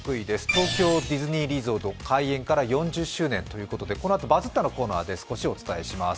東京ディズニーリゾート、開園から４０周年ということでこのあと「バズった」で少しお伝えします。